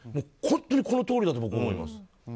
本当にこのとおりだと僕思います。